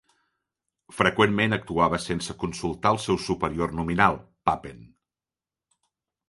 Freqüentment actuava sense consultar el seu superior nominal, Papen.